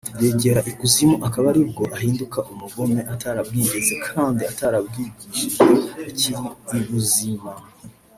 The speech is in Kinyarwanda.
yagera ikuzimu akaba aribwo ahinduka umugome atarabwigeze kandi atarabwigishijwe akiri ibuzima